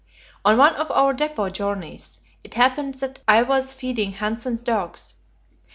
On one of our depot journeys it happened that I was feeding Hanssen's dogs.